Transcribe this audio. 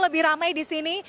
lebih ramai disini